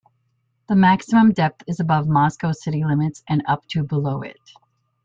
The maximum depth is above Moscow city limits, and up to below it.